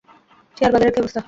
Share বাজারের কী অবস্থা?